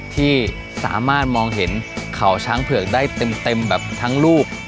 ที่สามารถมองเห็นเขาช้างเผือกได้เต็มแบบทั้งลูก